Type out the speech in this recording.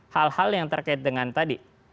hal hal yang terkait dengan tadi